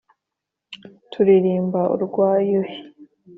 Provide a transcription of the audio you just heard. turirimba urwa yuhi